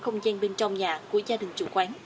không gian bên trong nhà của gia đình chủ quán